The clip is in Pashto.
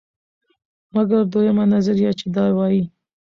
مګر دویمه نظریه، چې وایي: